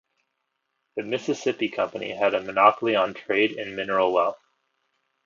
The Mississippi Company had a monopoly on trade and mineral wealth.